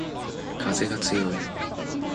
かぜがつよい